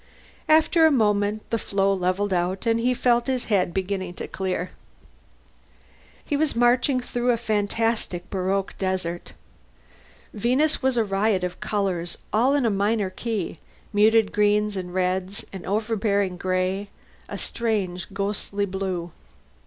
After a moment the flow levelled out and he felt his head beginning to clear. He was marching through a fantastic baroque desert. Venus was a riot of colors, all in a minor key: muted greens and reds, an overbearing gray, a strange, ghostly blue.